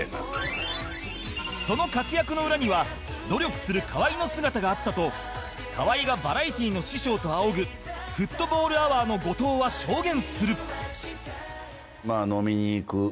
その活躍の裏には努力する河合の姿があったと河合がバラエティの師匠と仰ぐフットボールアワーの後藤は証言する